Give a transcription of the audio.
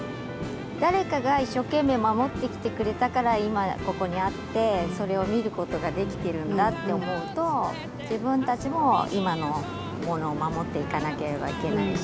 誰かが一生懸命守ってきてくれたから今ここにあってそれを見ることができてるんだって思うと自分たちも今のものを守っていかなければいけないし。